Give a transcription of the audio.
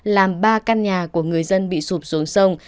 làm ba căn nhà của người dân bị sụp xuống sông